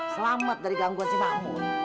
selamat dari gangguan si mahmud